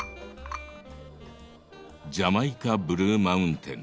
ジャマイカ・ブルーマウンテンです。